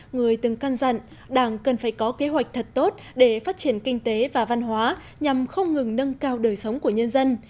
người từng căn dặn đảng cần phải có kế hoạch thật tốt để phát triển kinh tế và văn hóa nhằm không ngừng nâng cao đời sống của nhân dân